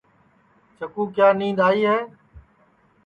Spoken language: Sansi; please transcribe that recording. چکُو کیا نید آئی ہے